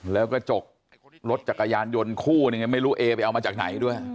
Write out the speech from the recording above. แล้วกระจกรถจักรยานยนต์คู่หนึ่งไม่รู้เอไปเอามาจากไหนด้วย